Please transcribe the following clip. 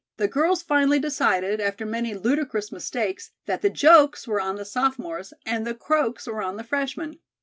The girls finally decided, after many ludicrous mistakes, that the jokes were on the sophomores and the croaks were on the freshmen.